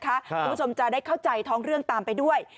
คุณผู้ชมจะได้เข้าใจท้องเรื่องตามไปด้วย